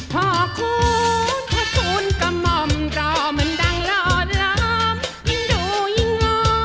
พ่อคุณพ่อคุณก็มอมก็มันดังหล่อหล่อมันดูยิงอ่อ